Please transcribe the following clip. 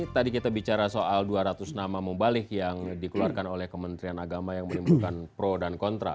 tadi kita bicara soal dua ratus nama mubalik yang dikeluarkan oleh kementerian agama yang menimbulkan pro dan kontra